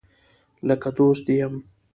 لکه دوست دي یم